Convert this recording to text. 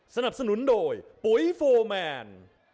สนับสนุนโดยปุ๋ยโฟร์แมน